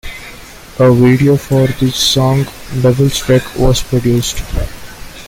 A video for the song "Devil's Deck" was produced.